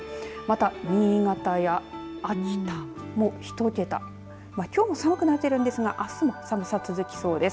まあ、きょうも寒くなっているんですがあすも寒さ、続きそうです。